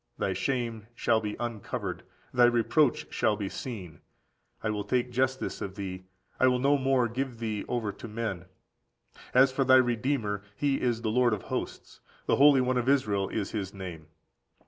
Thy shame shall be uncovered, thy reproach shall be seen: I will take justice of thee, I will no more give thee over to men. As for thy Redeemer, (He is) the Lord of hosts, the Holy One of Israel is his name.